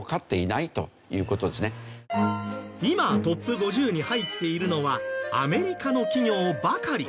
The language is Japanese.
今トップ５０に入っているのはアメリカの企業ばかり。